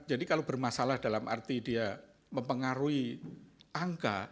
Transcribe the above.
jadi kalau bermasalah dalam arti dia mempengaruhi angka